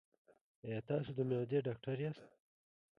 ایا تاسو د معدې ډاکټر یاست؟